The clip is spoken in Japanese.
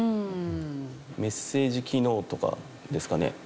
メッセージ機能とかですかね。